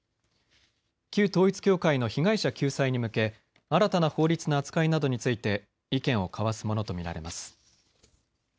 旧統一教会の被害者救済に向け新たな法律の扱いなどについて意見を交わすものと見られます。